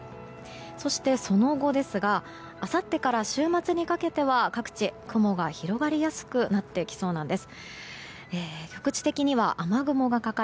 そして、その後ですがあさってから週末にかけては各地、雲が広がりやすくなってきそうなんです。